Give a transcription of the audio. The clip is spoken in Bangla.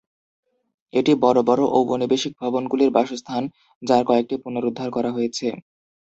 এটি বড় বড় ঔপনিবেশিক ভবনগুলির বাসস্থান, যার কয়েকটি পুনরুদ্ধার করা হয়েছে।